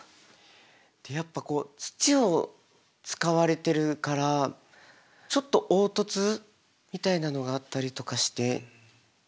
やっぱこう土を使われてるからちょっと凹凸みたいなのがあったりとかして。